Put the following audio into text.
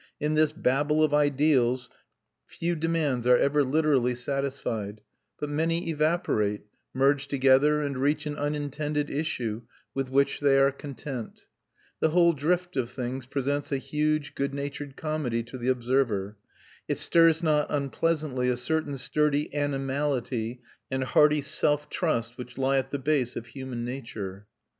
In this Babel of ideals few demands are ever literally satisfied; but many evaporate, merge together, and reach an unintended issue, with which they are content. The whole drift of things presents a huge, good natured comedy to the observer. It stirs not unpleasantly a certain sturdy animality and hearty self trust which lie at the base of human nature.